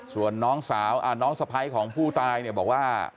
ส่วนน้องสาวน้องสะไพรของผู้ตายบอกว่า